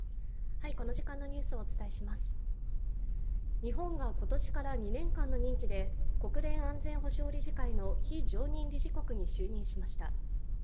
日本が今年から２年間の任期で国連安全保障理事会の非常任理事国に就任しました。